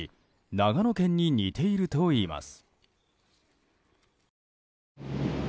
長野県に似ているといいます。